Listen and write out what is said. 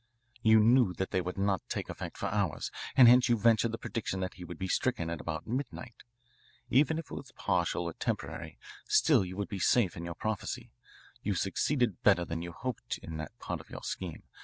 "You knew that they would not take effect for hours, and hence you ventured the prediction that he would be stricken at about midnight. Even if it was partial or temporary, still you would be safe in your prophecy. You succeeded better than you hoped in that part of your scheme.